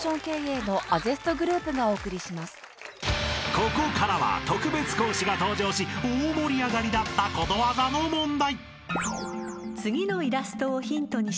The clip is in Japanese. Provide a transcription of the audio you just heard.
［ここからは特別講師が登場し大盛り上がりだったことわざの問題］